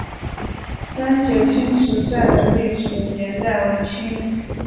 三捷青石寨的历史年代为清。